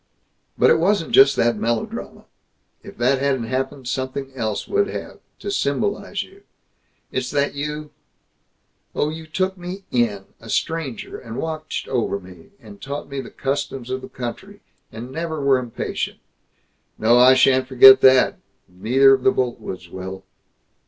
But it wasn't just that melodrama. If that hadn't happened, something else would have, to symbolize you. It's that you oh, you took me in, a stranger, and watched over me, and taught me the customs of the country, and were never impatient. No, I shan't forget that; neither of the Boltwoods will."